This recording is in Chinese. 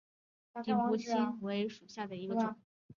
鼎湖青冈为壳斗科青冈属下的一个种。